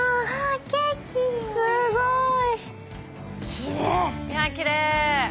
すごい！